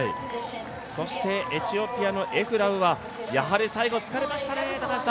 そしてエチオピアのエフラウはやはり最後、疲れましたね。